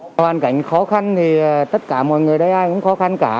hoàn cảnh khó khăn thì tất cả mọi người ở đây ai cũng khó khăn cả